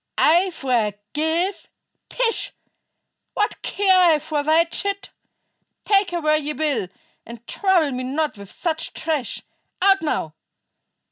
"I forgive? Pish! What care I for thy chit? Take her where ye will, and trouble me not with such trash. Out, now!